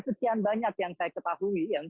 sekian banyak yang saya ketahui